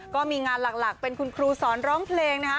ก็มีงานหลักเป็นคุณครูสอนร้องเพลงนะฮะ